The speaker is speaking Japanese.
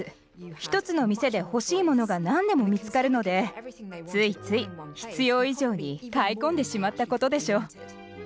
１つの店で欲しいものが何でも見つかるのでついつい必要以上に買い込んでしまったことでしょう。